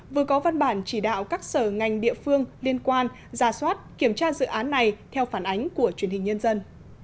vừa có văn bản chỉ đạo các sở ngành địa phương liên quan ra soát kiểm tra dự án này theo phản ánh của truyền hình nhân dân